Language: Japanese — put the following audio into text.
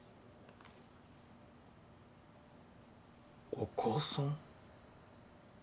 お母さん？